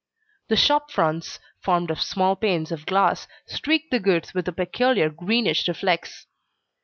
The shop fronts, formed of small panes of glass, streak the goods with a peculiar greenish reflex.